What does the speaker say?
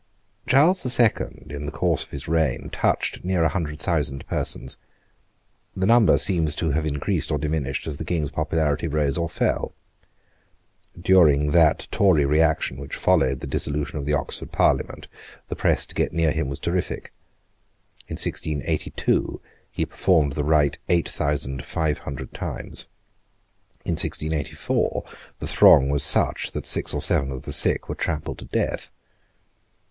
Charles the Second, in the course of his reign, touched near a hundred thousand persons. The number seems to have increased or diminished as the king's popularity rose or fell. During that Tory reaction which followed the dissolution of the Oxford Parliament, the press to get near him was terrific. In 1682, he performed the rite eight thousand five hundred times. In 1684, the throng was such that six or seven of the sick were trampled to death.